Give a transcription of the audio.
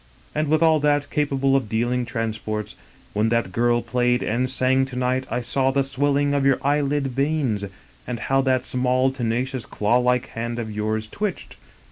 And, with all that, capable of ideal transports : when that girl played and sang to night I saw the swelling of your eyelid veins, and how that small, tenacious, claw like hand of yours twitched!